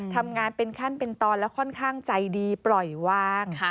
ทำงานเป็นขั้นเป็นตอนแล้วค่อนข้างใจดีปล่อยวาง